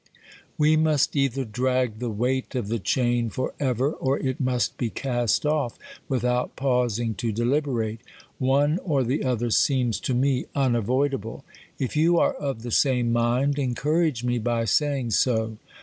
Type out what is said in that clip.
We must either drag the weight of the chain for ever, or it must be cast off without pausing to deUberate ; one or the other seems to me unavoidable. If you are of the same mind, encourage me by saying so.